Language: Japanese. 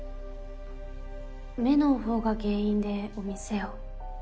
目の方が原因でお店を？